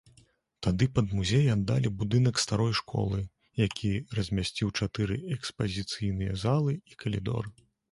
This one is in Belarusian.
Тады пад музей аддалі будынак старой школы, які размясціў чатыры экспазіцыйныя залы і калідор.